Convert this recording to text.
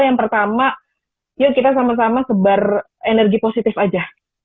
yang pertama yuk kita sama sama sebar energi positif aja